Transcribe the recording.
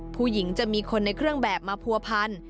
ผู้หญิงจะมีคนในเครื่องแบบมาผัวพัน